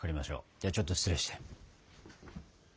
ではちょっと失礼して。